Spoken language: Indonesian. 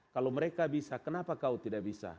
kalau mereka bisa kenapa kau tidak bisa